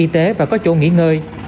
y tế và có chỗ nghỉ ngơi